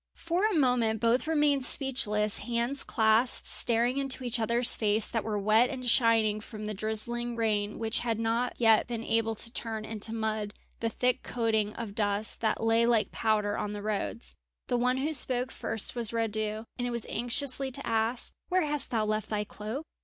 For a moment both remained speechless, hands clasped, staring into each other's face that were wet and shining from the drizzling rain which had not yet been able to turn into mud the thick coating of dust that lay like powder on the roads. The one who spoke first was Radu, and it was anxiously to ask: "Where hast thou left thy cloak?